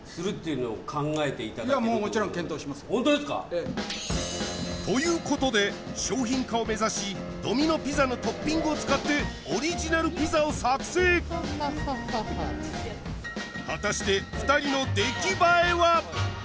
ええということで商品化を目指しドミノ・ピザのトッピングを使ってオリジナルピザを作成果たして２人の出来栄えは？